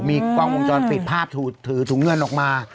มีกองวงจรปิดภาพถือเงื่อนออกมา